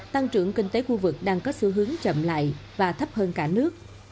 tăng trưởng kinh tế khu vực đang có xu hướng chậm lại và thấp hơn cả nước